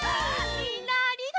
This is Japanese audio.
みんなありがとう！